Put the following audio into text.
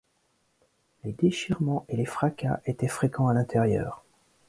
Les déchirements et les fracas étaient fréquents à l’intérieur.